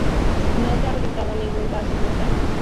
No se ha registrado ningún caso mortal.